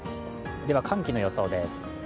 寒気の予想です。